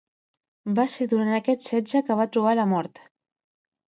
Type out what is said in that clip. Va ser durant aquest setge que va trobar la mort.